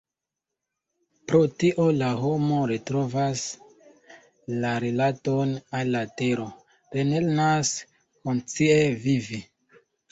Pro tio la homo retrovas la rilaton al la tero, relernas konscie vivi.